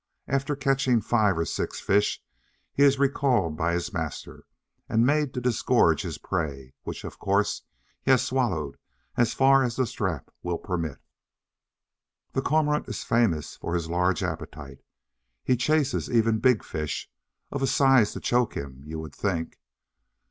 After catching five or six fish he is recalled by his master, and made to disgorge his prey, which, of course, he has swallowed as far as the strap will permit. The Cormorant is famous for his large appetite; he chases even big fish, of a size to choke him, you would think.